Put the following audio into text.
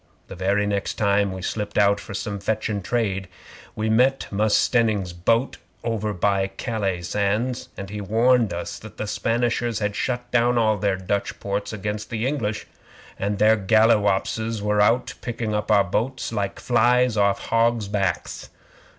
The very next time we slipped out for some fetchin' trade, we met Mus' Stenning's boat over by Calais sands; and he warned us that the Spanishers had shut down all their Dutch ports against us English, and their galliwopses was out picking up our boats like flies off hogs' backs.